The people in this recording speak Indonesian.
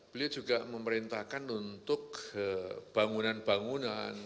beliau juga memerintahkan untuk bangunan bangunan